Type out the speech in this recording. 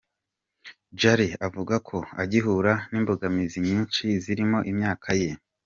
Gerlzy avuga ko agihura n’imbogamizi nyinshi zirimo imyaka ye.